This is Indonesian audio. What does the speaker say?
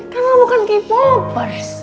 kamu bukan k popers